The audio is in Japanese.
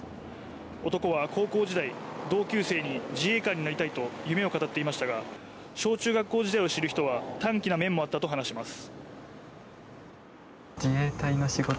男は高校時代、同級生に自衛官になりたいと夢を語っていましたが、小中学校時代を知る人は短気な面もあったと話します。